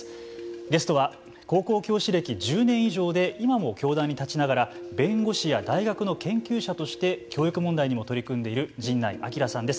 ゲストは高校教師歴１０年以上で今も教壇に立ちながら弁護士や大学の研究者として教育問題にも取り組んでいる神内聡さんです。